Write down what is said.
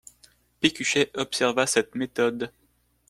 Pécuchet observa cette méthode.